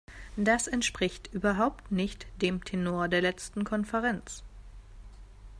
Das entspricht überhaupt nicht dem Tenor der letzten Konferenz.